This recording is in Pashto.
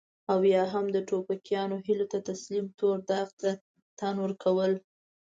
او يا هم د ټوپکيانو هيلو ته د تسليم تور داغ ته تن ورکول.